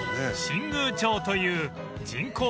新宮町という人口